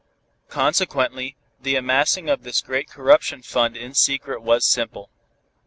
Consequently, the amassing of this great corruption fund in secret was simple.